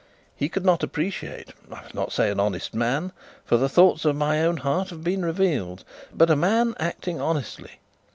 He could not appreciate I will not say an honest man, for the thoughts of my own heart have been revealed but a man acting honestly.